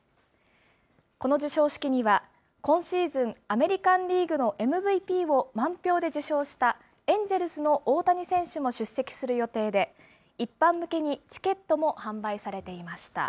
この授賞式には今シーズン、アメリカンリーグのＭＶＰを満票で受賞したエンジェルスの大谷選手も出席する予定で、一般向けにチケットも販売されていました。